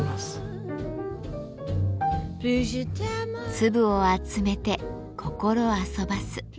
粒を集めて心遊ばす。